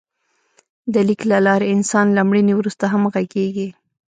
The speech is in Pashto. د لیک له لارې انسان له مړینې وروسته هم غږېږي.